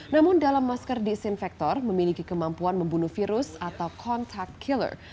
namun dalam masker disinfektor memiliki kemampuan membunuh virus atau kontak killer